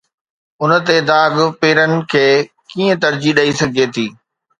ان تي داغ پيرن کي ڪيئن ترجيح ڏئي سگهجي ٿي؟